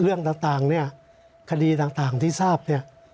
เรื่องต่างเนี่ยคดีต่างที่ทราบเนี่ย